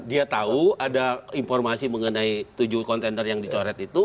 dia tahu ada informasi mengenai tujuh kontainer yang dicoret itu